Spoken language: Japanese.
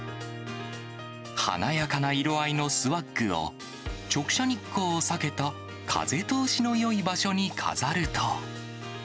華やかな色合いのスワッグを、直射日光を避けた風通しのよい場所に飾ると。